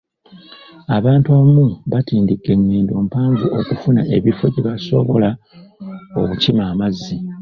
Abantu abamu batindigga engendo mpanvu okufuna ebifo gye basobola okukima amazzi.